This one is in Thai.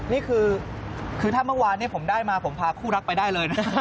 นี่คือถ้าเมื่อวานนี้ผมได้มาผมพาคู่รักไปได้เลยนะ